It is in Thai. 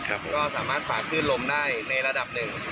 ก็สามารถฝากคลื่นลมได้ในระดับหนึ่ง